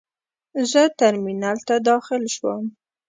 زه ترمینل ته داخل شوم.